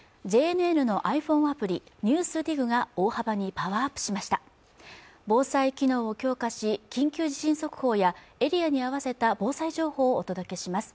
ＪＮＮのｉＰｈｏｎｅアプリ「ＮＥＷＳＤＩＧ」が大幅にパワーアップしました防災機能を強化し緊急地震速報やエリアに合わせた防災情報をお届けします